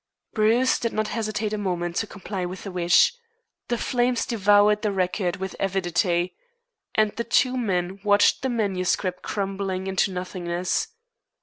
Bruce did not hesitate a moment to comply with the wish. The flames devoured the record with avidity, and the two men watched the manuscript crumbling into nothingness.